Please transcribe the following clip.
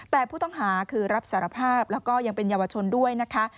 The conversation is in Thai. แต่ผู้ต้องหาคือรับสารภาพแล้วก็ยังเป็นเยาวชนด้วยนะคะ